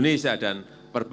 pemerintah juga mencari kemampuan